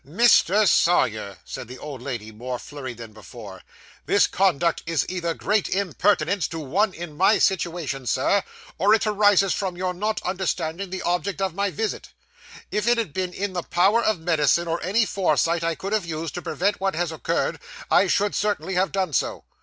'Mr. Sawyer,' said the old lady, more flurried than before, 'this conduct is either great impertinence to one in my situation, Sir, or it arises from your not understanding the object of my visit. If it had been in the power of medicine, or any foresight I could have used, to prevent what has occurred, I should certainly have done so.